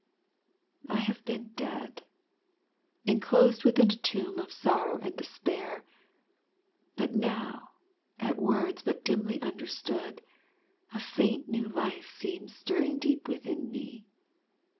I have been dead enclosed within a tomb of sorrow and despair; but now, at words but dimly understood, a faint new life seems stirring deep within me.